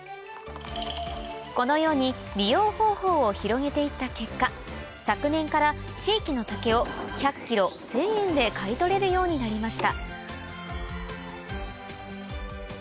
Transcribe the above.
このように利用方法を広げて行った結果昨年から地域の竹を１００ｋｇ１０００円で買い取れるようになりました